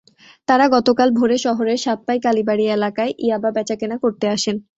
তাঁরা গতকাল ভোরে শহরের সাতপাই কালীবাড়ি এলাকায় ইয়াবা বেচাকেনা করতে আসেন।